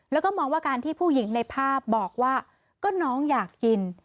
แล้วก็มองว่าการที่ผู้หญิงในภาพบอกว่าก็น้องอยากกิน